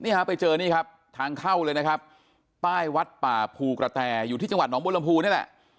ฮะไปเจอนี่ครับทางเข้าเลยนะครับป้ายวัดป่าภูกระแตอยู่ที่จังหวัดหนองบนลำพูนี่แหละ